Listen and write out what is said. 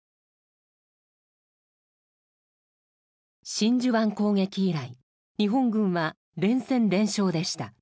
真珠湾攻撃以来日本軍は連戦連勝でした。